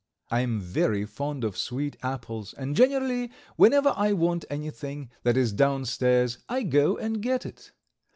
I am very fond of sweet apples and generally whenever I want anything that is down stairs I go and get it.